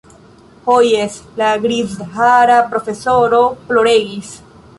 Ho jes, la grizhara profesoro ploregis.